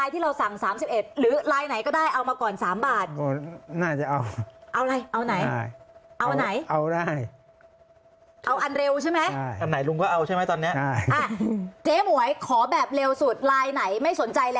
อ่าเชิญค่ะยังไงค่ะถามว่าสิ้นเดือนนี้เสร็จแน่หรือเปล่า